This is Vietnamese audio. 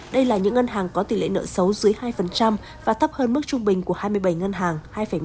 đây là những ngân hàng có tỷ lệ nợ xấu dưới hai và thấp hơn mức trung bình của hai mươi bảy ngân hàng hai một mươi